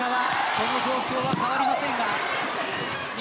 この状況は変わりません。